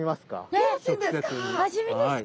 えっ味見ですか？